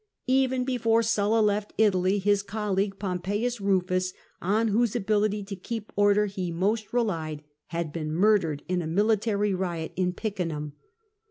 Even before Sulla left Italy, his colleague, Pompeius Rufus, on whose ability to keep order he most relied, had been murdered in a military riot in Picenum.